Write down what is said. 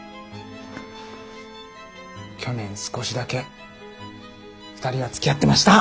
去年少しだけ２人はつきあってました。